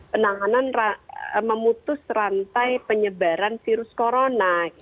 penanganan memutus rantai penyebaran virus corona